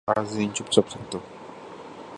তারা এতদিন চুপচাপ থাকতো।